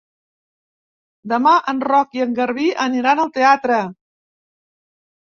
Demà en Roc i en Garbí aniran al teatre.